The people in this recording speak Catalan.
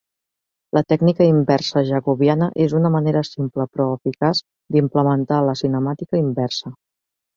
La tècnica inversa Jacobiana és una manera simple però eficaç d'implementar la Cinemàtica inversa.